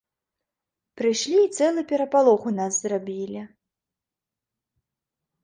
Прышлі і цэлы перапалох у нас зрабілі.